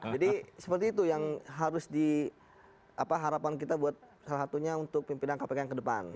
jadi seperti itu yang harus diharapkan kita buat salah satunya untuk pimpinan kpk yang ke depan